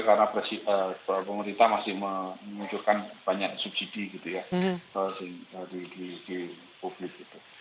karena pemerintah masih menguncurkan banyak subsidi di publik